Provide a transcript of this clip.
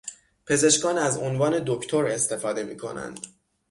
پزشکان از عنوان "دکتر" استفاده میکنند.